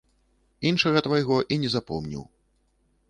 Іншага твайго і не запомніў.